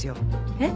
えっ？